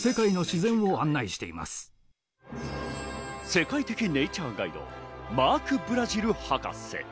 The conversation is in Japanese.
世界的ネイチャーガイド、マーク・ブラジル博士。